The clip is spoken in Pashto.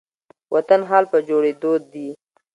وطن حال په جوړيدو دي